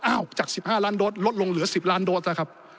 จาก๑๕ล้านโดสลดลงเหลือ๑๐ล้านโดสนะครับ